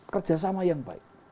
kerjasama yang baik